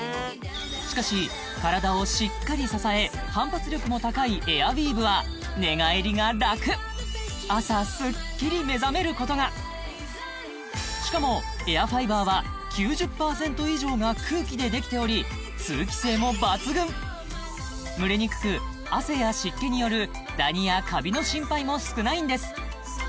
しかし体をしっかり支え反発力も高いエアウィーヴは寝返りが楽朝スッキリ目覚めることがしかもでできており通気性も抜群蒸れにくく汗や湿気によるダニやカビの心配も少ないんです